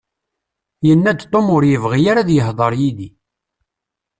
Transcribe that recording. Yenna-d Tom ur yebɣi ara ad yehder yid-i.